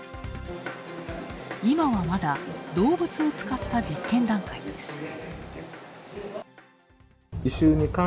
今は、まだ動物を使った実験段階です。